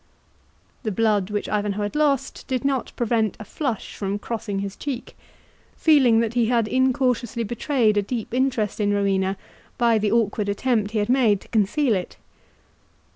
The blood which Ivanhoe had lost did not prevent a flush from crossing his cheek, feeling that he had incautiously betrayed a deep interest in Rowena by the awkward attempt he had made to conceal it.